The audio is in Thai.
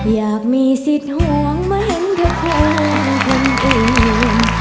อยากมีสิทธิ์ห่วงมาเห็นเธอคนอื่น